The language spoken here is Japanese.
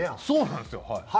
そうなんですよ。